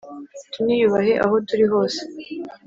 Tuniyubahe aho turi hose